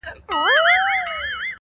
o بس ده ژړا مه كوه مړ به مي كړې.